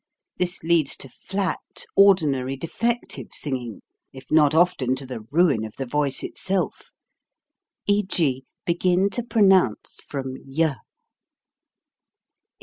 This leads to flat, ordinary, defective singing, if not often to the ruin of the voice itself, e.g., begin to pronounce from y.